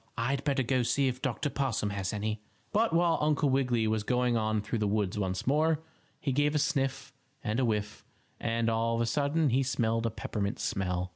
"I'd better go see if Dr. Possum has any." But while Uncle Wiggily was going on through the woods once more, he gave a sniff and a whiff, and, all of a sudden, he smelled a peppermint smell.